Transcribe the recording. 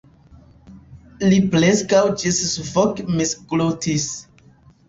Li preskaŭ ĝissufoke misglutis.